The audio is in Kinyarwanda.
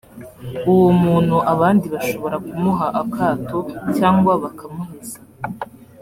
uwo muntu abandi bashobora kumuha akato cyangwa bakamuheza